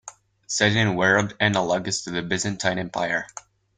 Set in a world analogous to the Byzantine Empire.